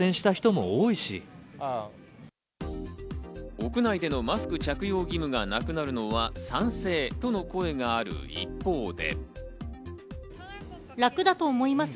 屋内でのマスク着用義務がなくなるのは賛成との声がある一方で。